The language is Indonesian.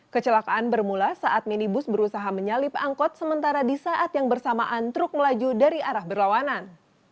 kecelakaan bermula saat minibus berusaha menyalip angkot sementara di saat yang bersamaan truk melaju dari arah berlawanan